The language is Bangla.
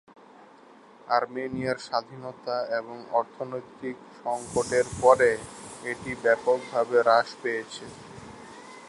আর্মেনিয়ার স্বাধীনতা এবং অর্থনৈতিক সংকটের পরে, এটি ব্যাপকভাবে হ্রাস পেয়েছে।